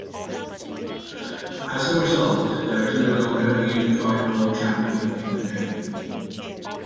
As a result, there is no longer a unified World Champion in the game.